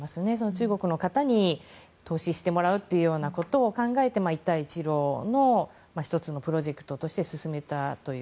中国の方に投資してもらうというようなことを考えて、一帯一路の１つのプロジェクトとして進めたという。